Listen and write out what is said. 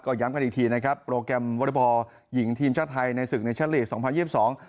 ก็ย้ำกันอีกทีนะครับโปรแกรมวอลเตอร์บอลหญิงทีมชาติไทยในศึกในชั้นเลียส๒๐๒๒